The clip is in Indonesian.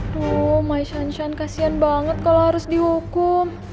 tuh mai shan shan kasian banget kalau harus dihukum